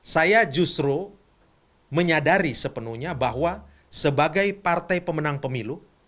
saya justru menyadari sepenuhnya bahwa sebagai partai pemenang pemilu